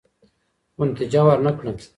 خو نتيجه ورنه کړه.